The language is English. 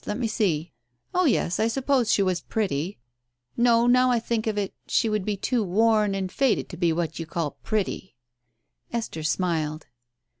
Let me see ! Oh, yes, I suppose she was pretty — no, now I think of it, she would be too worn and faded to be what you call pretty." Esther smiled.